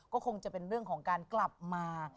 ก็คงจะเป็นเรื่องของการกลับมา